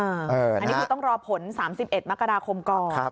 อันนี้คือต้องรอผล๓๑มกราคมก่อน